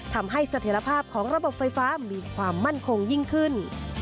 ทำให้เสถียรภาพของระบบไฟฟ้ามีความมั่นคงยิ่งขึ้น